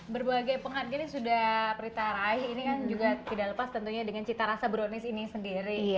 berbagai penghargaan yang sudah prita raih ini kan juga tidak lepas tentunya dengan cita rasa brownies ini sendiri